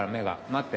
待って。